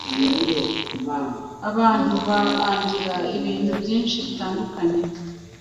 Abantu baangira ibintu byinhi bitandukanye